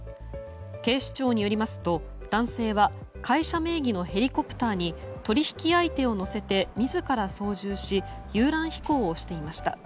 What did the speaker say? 警視庁によりますと、男性は会社名義のヘリコプターに取引相手を乗せて自ら操縦し遊覧飛行をしていました。